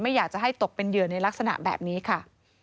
อยากจะให้ตกเป็นเหยื่อในลักษณะแบบนี้ค่ะ